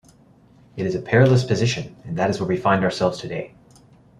It is a perilous position, and that is where we find ourselves today.